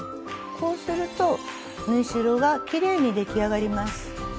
こうすると縫い代がきれいに出来上がります。